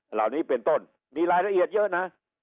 เหล่านี้เป็นต้นมีรายละเอียดเยอะนะ